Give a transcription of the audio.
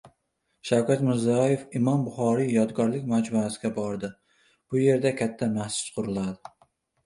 Shavkat Mirziyoev Imom Buxoriy yodgorlik majmuasiga bordi. Bu yerda katta masjid quriladi